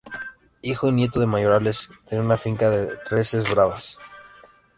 Hijo y nieto de mayorales de una finca de reses bravas.